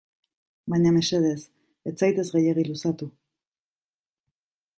Baina mesedez, ez zaitez gehiegi luzatu.